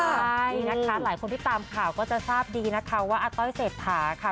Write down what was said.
ใช่นะคะหลายคนที่ตามข่าวก็จะทราบดีนะคะว่าอาต้อยเศรษฐาค่ะ